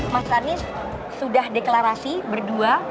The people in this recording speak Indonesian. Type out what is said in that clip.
mas anies sudah deklarasi berdua